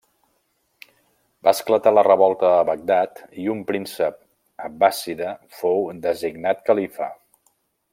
Va esclatar la revolta a Bagdad i un príncep abbàssida fou designat califa.